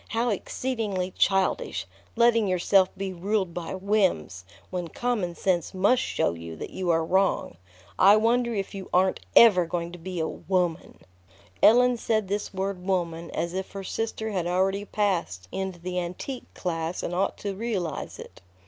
"How exceedingly childish, letting yourself be ruled by whims, when common sense must show you that you are wrong. I wonder if you aren't ever going to be a woman." Ellen said this word "woman" as if her sister had already passed into the antique class and ought to realize it.